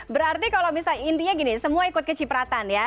berarti kalau misalnya intinya gini semua ikut kecipratan ya